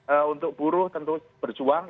ee untuk buruh tentu berjuang